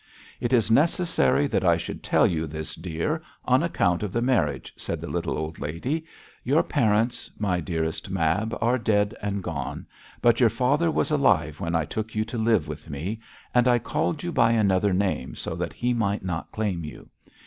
'It is necessary that I should tell you this, dear, on account of the marriage,' said the little old lady; 'your parents, my dearest Mab, are dead and gone; but your father was alive when I took you to live with me, and I called you by another name so that he might not claim you.